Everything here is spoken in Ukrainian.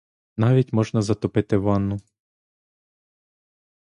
Навіть можна затопити ванну.